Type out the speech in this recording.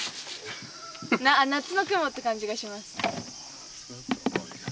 夏の雲って感じがします。